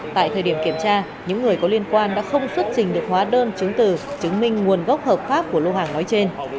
tại thời điểm kiểm tra những người có liên quan đã không xuất trình được hóa đơn chứng từ chứng minh nguồn gốc hợp pháp của lô hàng nói trên